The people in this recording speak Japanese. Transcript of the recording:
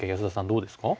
どうですか？